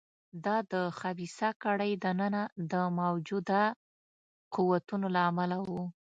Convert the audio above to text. دا د خبیثه کړۍ دننه د موجوده قوتونو له امله و.